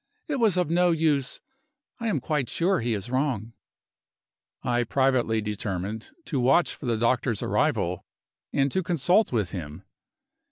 It was of no use; I am quite sure he is wrong." I privately determined to watch for the doctor's arrival, and to consult with him.